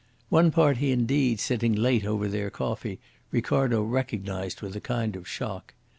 One party indeed sitting late over their coffee Ricardo recognised with a kind of shock.